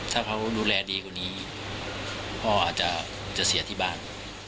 ถ้าเขาดูแลดีกว่านี้พ่ออาจจะเสียที่บ้าน